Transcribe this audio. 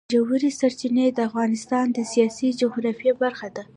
ژورې سرچینې د افغانستان د سیاسي جغرافیه برخه ده.